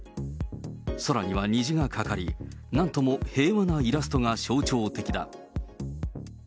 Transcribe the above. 空には虹がかかり、なんとも平和なイラストが象徴的だ。